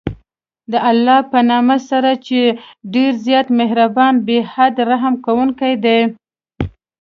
د الله په نامه سره چې ډېر زیات مهربان، بې حده رحم كوونكى دی.